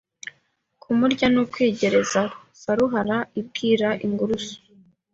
Kumurya ni ukwigerezaho Saruhara ibwira ingurusu